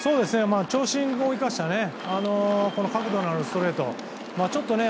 長身を生かした角度のあるストレートですね。